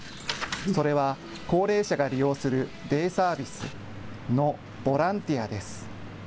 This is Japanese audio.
それは高齢者が利用するデイサービスのボランティアです。